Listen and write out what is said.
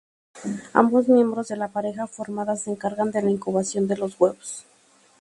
Ambos miembros de la pareja formada se encargan de la incubación de los huevos.